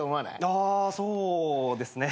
あそうですね。